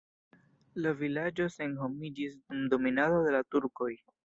La vilaĝo senhomiĝis dum dominado de la turkoj.